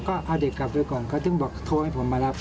ก็เอาเด็กกลับไปก่อนเขาถึงบอกโทรให้ผมมารับ